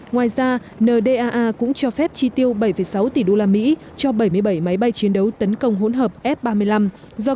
ngoài ra ndaa cũng cho phép chi tiêu bảy sáu tỷ usd cho bảy mươi bảy máy bay chiến đấu tấn công hỗn hợp f ba mươi năm do